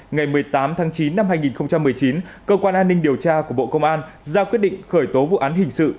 ngày một mươi tám tháng chín năm hai nghìn một mươi chín cơ quan an ninh điều tra của bộ công an ra quyết định khởi tố vụ án hình sự